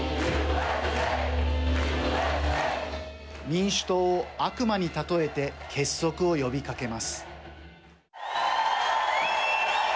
民主党を悪魔に例えて結束を呼びかけます。